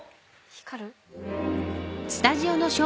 光る？